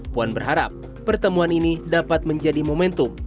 puan berharap pertemuan ini dapat menjadi momentum